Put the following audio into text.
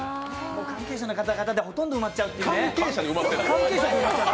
関係者の方々でほとんど埋まっちゃうっていうね。